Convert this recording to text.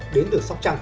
đến từ sóc trăng